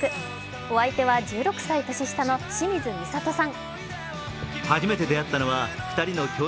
お相手は１６歳年下の清水みさとさん。